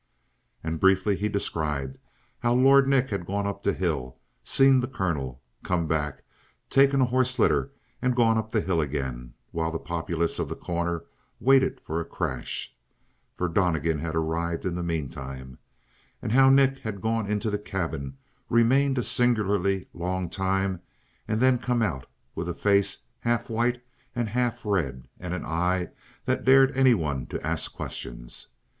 And briefly he described how Lord Nick had gone up the hill, seen the colonel, come back, taken a horse litter, and gone up the hill again, while the populace of The Corner waited for a crash. For Donnegan had arrived in the meantime. And how Nick had gone into the cabin, remained a singularly long time, and then come out, with a face half white and half red and an eye that dared anyone to ask questions.